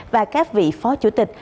và các vị phó chủ tịch